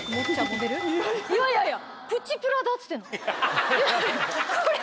いやいやいや。